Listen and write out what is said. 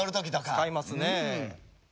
使いますね。